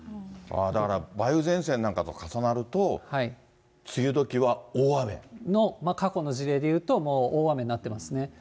だから梅雨前線なんかと重なると、の、過去の事例でいうと、大雨になっていますね。